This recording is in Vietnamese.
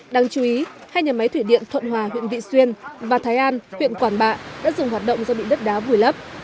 đáng chú ý hai nhà máy thủy điện thuận hòa huyện vị xuyên và thái an huyện quản bạ đã dừng hoạt động do bị đất đá vùi lấp